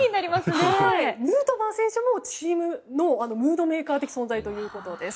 ヌートバー選手もチームのムードメーカー的な存在ということです。